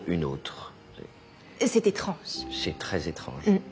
うん。